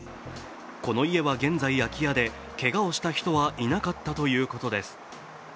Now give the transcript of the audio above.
この家は現在、空き家でけがをした人はいなかったということです。